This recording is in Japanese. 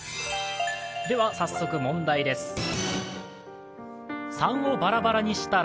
では、早速問題です。